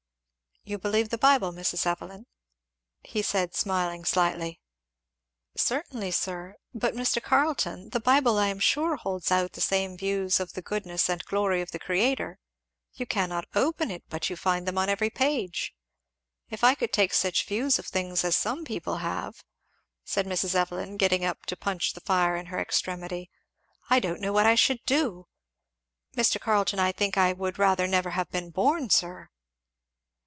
"You believe the Bible, Mrs. Evelyn?" he said smiling slightly. "Certainly, sir; but Mr. Carleton, the Bible I am sure holds out the same views of the goodness and glory of the Creator; you cannot open it but you find them on every page. If I could take such views of things as some people have," said Mrs. Evelyn, getting up to punch the fire in her extremity, "I don't know what I should do! Mr. Carleton, I think I would rather never have been born, sir!"